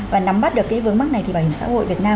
và nắm bắt được cái vướng mắc này thì bảo hiểm xã hội việt nam